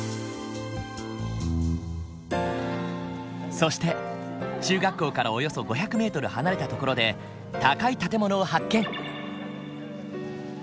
そして中学校からおよそ５００ｍ離れた所で高い建物を発見！